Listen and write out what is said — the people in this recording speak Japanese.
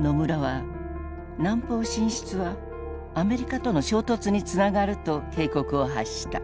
野村は南方進出はアメリカとの衝突につながると警告を発した。